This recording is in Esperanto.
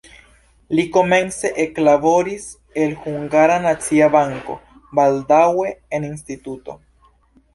Li komence eklaboris en Hungara Nacia Banko, baldaŭe en instituto.